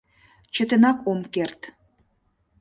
Чытенак ом керт!